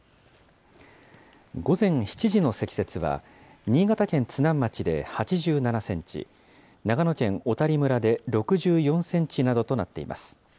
午前７時の積雪は、新潟県津南町で８７センチ、長野県小谷村で６４センチなどとなっています。